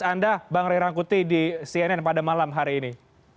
terima kasih banyak bang rerangkuti di cnn pada malam hari ini